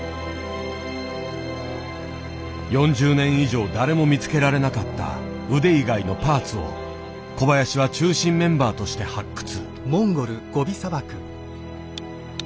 ４０年以上誰も見つけられなかった腕以外のパーツを小林は中心メンバーとして発掘。